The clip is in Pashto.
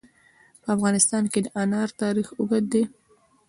په افغانستان کې د انار تاریخ اوږد دی.